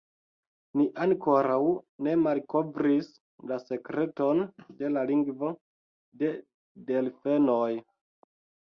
Ni ankoraŭ ne malkovris la sekreton de la lingvo de delfenoj.